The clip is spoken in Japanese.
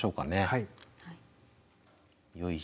はい。